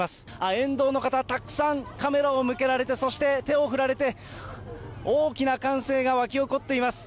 沿道の方、たくさんカメラを向けられて、そして手を振られて、大きな歓声が沸き起こっています。